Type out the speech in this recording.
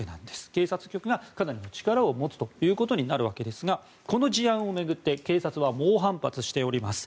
警察局がかなりの力を持つということになるわけですがこの事案を巡って警察は猛反発しております。